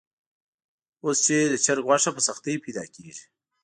اوس چې د چرګ غوښه په سختۍ پیدا کېږي.